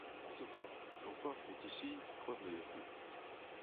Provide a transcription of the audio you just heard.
Toutefois, l'empereur fait ici preuve de ruse.